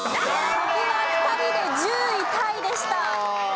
柿は２人で１０位タイでした。